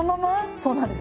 そうなんです。